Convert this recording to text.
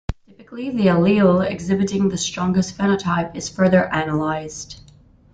Typically, the allele exhibiting the strongest phenotype is further analyzed.